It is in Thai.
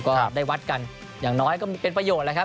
ก็ได้วัดกันอย่างน้อยก็เป็นประโยชน์แล้วครับ